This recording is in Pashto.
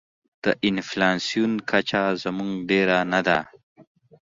د انفلاسیون کچه زموږ ډېره نه ده.